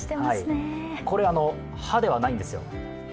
これ、歯ではないんですよ。